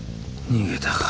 逃げたか。